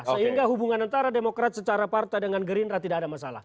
sehingga hubungan antara demokrat secara partai dengan gerindra tidak ada masalah